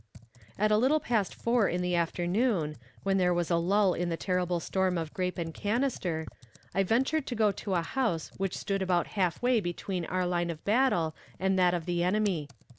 At a little past four in the afternoon, when there was a lull in the terrible storm of grape and cannister, I ventured to go to a house which stood about half way between our line of battle and that of the enemy.